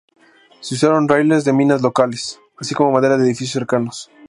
Se usaron raíles de minas locales, así como madera de edificios cercanos.